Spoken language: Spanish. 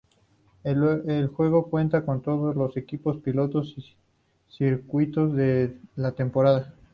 El juego cuenta con todos los equipos, pilotos y circuitos de la temporada.